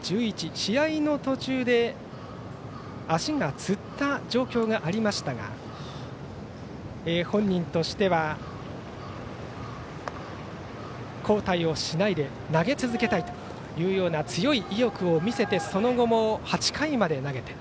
試合の途中で足がつった状況がありましたが本人としては交代をしないで投げ続けたいというような強い意欲を見せてその後も８回まで投げた。